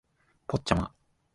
ポッチャマ